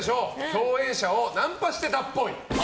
共演者をナンパしてたっぽい。